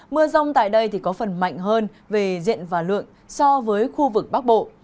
mưa rông tại đây có phần mạnh hơn về diện và lượng so với khu vực bắc bộ